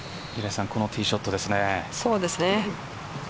このティーショットですね。